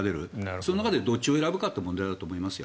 その中でどっちを選ぶかという問題だと思いますよ。